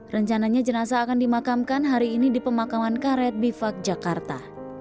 rencananya jenazah akan dimakamkan hari ini di pemakaman karet bifak jakarta